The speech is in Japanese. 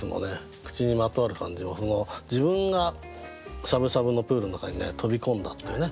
口にまとわる感じも自分がしゃぶしゃぶのプールの中にね飛び込んだっていうね